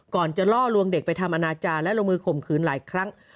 ก่อนจะล่อลวงเด็กไปทำอนาจารย์และลงมือข่มขืนหลายครั้ง